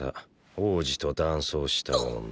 王子と男装した女。